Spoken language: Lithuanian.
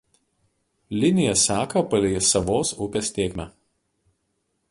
Linija seka palei Savos upės tėkmę.